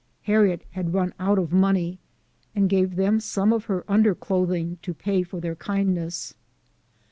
Harriet had run out of money, and gave them some of her under clothing to pay for their kindness.